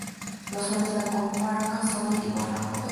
Los suelos de la comarca son del tipo franco-vega.